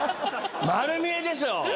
丸見えでしょ。